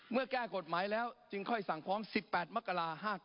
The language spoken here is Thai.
เมื่อแก้กฎหมายแล้วจึงค่อยสั่งฟ้อง๑๘มกรา๕๙